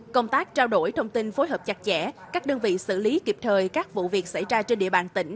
công tác trao đổi thông tin phối hợp chặt chẽ các đơn vị xử lý kịp thời các vụ việc xảy ra trên địa bàn tỉnh